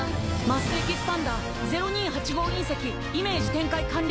泪・エキスパンダー０２８号隕石イメージ展開完了。